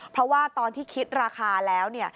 เพราะว่าตอนที่คิดราคาแล้ว